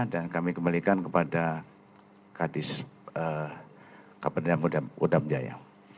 dan kami kembalikan kepada kadis kabupaten udam jaya